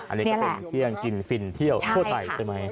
อันนี้ก็เป็นเที่ยงกินฟินเที่ยวทั่วไปใช่ไหม